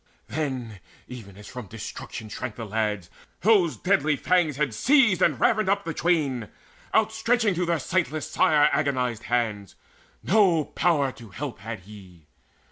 Then, even as from destruction shrank the lads, Those deadly fangs had seized and ravined up The twain, outstretching to their sightless sire Agonized hands: no power to help had he.